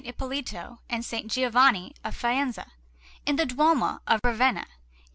Ippolito and S. Giovanni of Faenza, in the Duomo of Ravenna, in S.